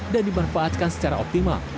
dan dimanfaatkan secara optimal